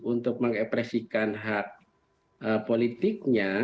untuk mengepresikan hak politiknya